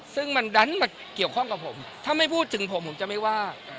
ซึ่งมันดันมาเกี่ยวข้องกับผมถ้าไม่พูดถึงผมผมจะไม่ว่า